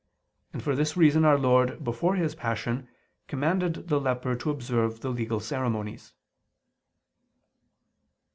And for this reason Our Lord, before His Passion, commanded the leper to observe the legal ceremonies.